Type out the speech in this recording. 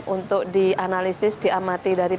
untuk dianalisis diamati dari